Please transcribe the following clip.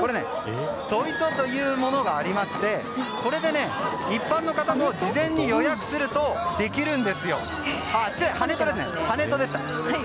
跳人というのがありまして一般の方も事前に予約するとできるんです。